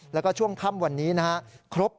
แล้วก็ช่วงค่ำวันนี้นะครับครบ